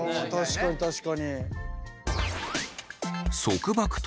確かに確かに。